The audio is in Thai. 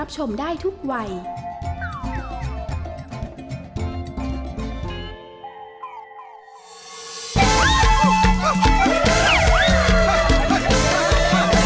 อบเตอร์มหาสนุกกลับมาสร้างความสนุกสนานครื้นเครงพร้อมกับแขกรับเชิง